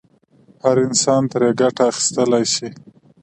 هر انسان ترې ګټه اخیستلای شي.